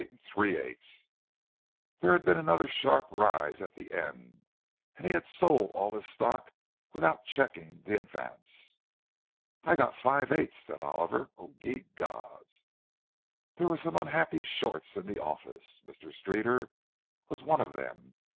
There had been another sharp rise at the end, and he had sold all his stock without checking the advance. "I got five eighths," said Oliver. "O ye gods!" There were some unhappy "shorts" in the office; Mr. Streeter was one of them.